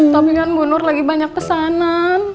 tapi kan bu nur lagi banyak pesanan